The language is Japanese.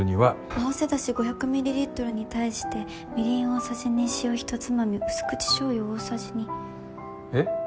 あわせだし５００ミリリットルに対してみりん大さじ２塩ひとつまみ薄口しょうゆ大さじ２。えっ？